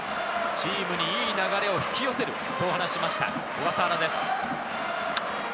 チームにいい流れを引き寄せる、そう話しました小笠原です。